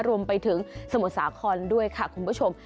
รวมไปถึงสมุทรสาครด้วยค่ะคุณผู้ชม